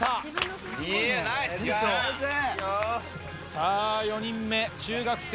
さぁ４人目中学生